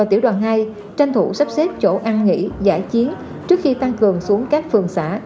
ít chỗ ăn nghỉ giải chiến trước khi tăng cường xuống các phường xã